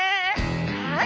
はい！